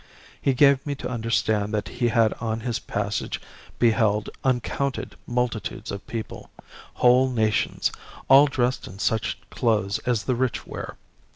He gave me to understand that he had on his passage beheld uncounted multitudes of people whole nations all dressed in such clothes as the rich wear.